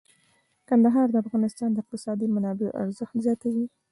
کندهار د افغانستان د اقتصادي منابعو ارزښت زیاتوي.